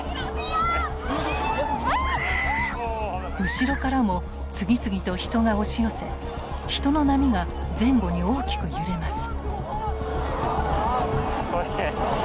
後ろからも次々と人が押し寄せ人の波が前後に大きく揺れます。